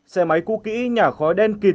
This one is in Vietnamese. xe máy cu kĩ nhả khói đen kịt